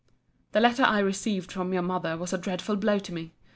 The letter I received from your mother was a dreadful blow to me.